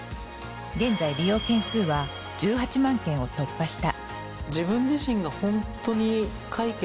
現在利用件数は１８万件を突破した。